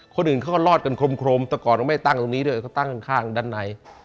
คนอื่นเขาก็รอดกันคลมแต่ก่อนเราไม่ตั้งตรงนี้ด้วยเขาตั้งข้างด้านใน